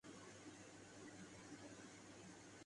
ادھر آؤ، یہ صفیہ بنت حیی ہیں